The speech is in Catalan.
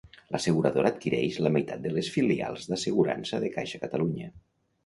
L'asseguradora adquireix la meitat de les filials d'assegurança de Caixa Catalunya.